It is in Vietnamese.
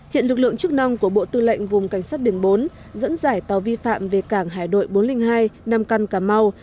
hiện lực lượng chức năng của bộ tư lệnh vùng cảnh sát biển bốn dẫn dải tàu vi phạm về cảng hải đội bốn trăm linh hai nam căn cà mau